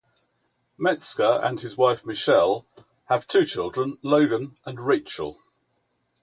Mezger and his wife Michelle have two children, Logan and Rachel.